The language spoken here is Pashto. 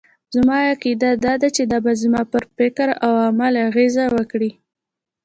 زما عقيده دا ده چې دا به زما پر فکراو عمل اغېز وکړي.